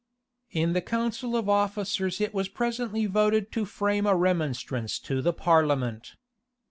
In the council of officers it was presently voted to frame a remonstrance to the parliament.